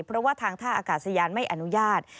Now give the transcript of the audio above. เพราะว่าทางท่าอากาศยานไม่อนุญาต